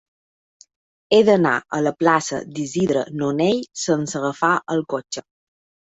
He d'anar a la plaça d'Isidre Nonell sense agafar el cotxe.